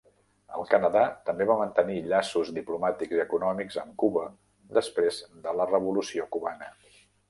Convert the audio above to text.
El Canadà també va mantenir llaços diplomàtics i econòmics amb Cuba després de la Revolució Cubana.